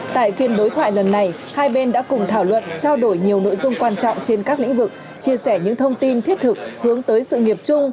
tại phiên đối thoại lần này hai bên đã cùng thảo luận trao đổi nhiều nội dung quan trọng trên các lĩnh vực chia sẻ những thông tin thiết thực hướng tới sự nghiệp chung